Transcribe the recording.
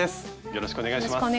よろしくお願いします。